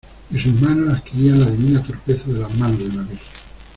y sus manos adquirían la divina torpeza de las manos de una virgen.